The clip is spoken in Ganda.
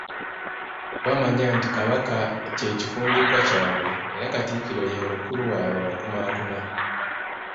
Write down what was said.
Bamanya nti Kabaka kye kifundikwa kyabwe era Katikkiro ye mukulu waabwe abakumaakuma.